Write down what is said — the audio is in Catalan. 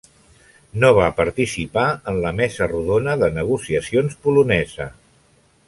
No va participar en la Mesa Rodona de Negociacions Polonesa.